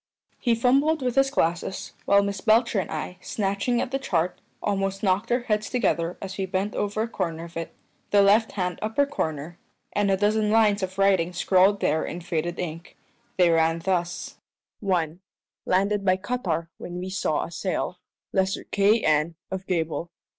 He fumbled with his glasses, while Miss Belcher and I, snatching at the chart, almost knocked our heads together as we bent over a corner of it the left hand upper corner and a dozen lines of writing scrawled there in faded ink. They ran thus 1. Landed by cuttar when wee saw a sail. Lesser Kay N. of Gable.